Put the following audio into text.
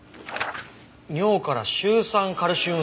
尿からシュウ酸カルシウム結晶。